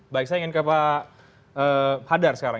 baik saya ingin ke pak hadar sekarang